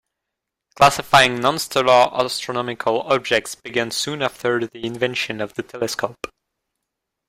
Classifying non-stellar astronomical objects began soon after the invention of the telescope.